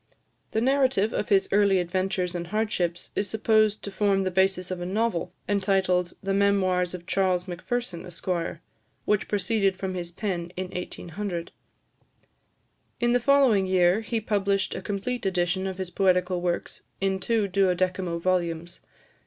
The narrative of his early adventures and hardships is supposed to form the basis of a novel, entitled "The Memoirs of Charles Macpherson, Esq.," which proceeded from his pen in 1800. In the following year, he published a complete edition of his poetical works, in two duodecimo volumes.